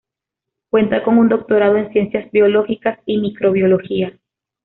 Cuenta con un doctorado en ciencias biológicas y microbiología.